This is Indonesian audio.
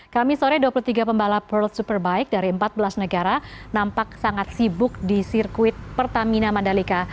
kami sore dua puluh tiga pembalap world superbike dari empat belas negara nampak sangat sibuk di sirkuit pertamina mandalika